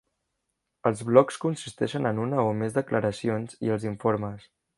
Els blocs consisteixen en una o més declaracions i els informes.